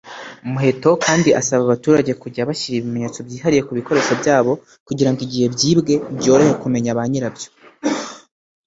Muheto kandi asaba abaturage kujya bashyira ibimenyetso byihariye ku bikoresho byabo kugirango igihe byibwe byorohe kumenya ba nyirabyo